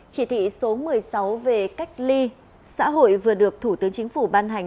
chỉ thị số một mươi sáu về cách ly xã hội vừa được thủ tướng chính phủ ban hành